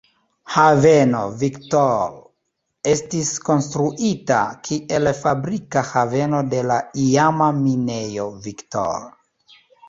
Haveno Victor estis konstruita kiel fabrika haveno de la iama Minejo Victor.